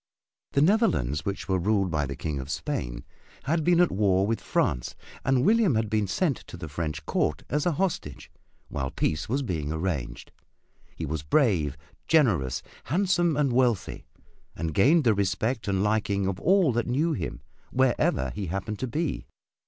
The Netherlands which were ruled by the King of Spain, had been at war with France and William had been sent to the French court as a hostage while peace was being arranged. He was brave, generous, handsome and wealthy, and gained the respect and liking of all that knew him, wherever he happened to be.